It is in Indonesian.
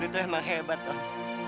lu tuh emang hebat ton